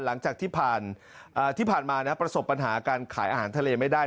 หลังจากที่ผ่านมาประสบปัญหาการขายอาหารทะเลไม่ได้